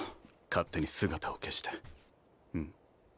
勝手に姿を消してうん？